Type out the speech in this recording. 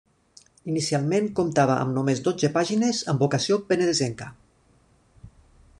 Inicialment comptava amb només dotze pàgines amb vocació penedesenca.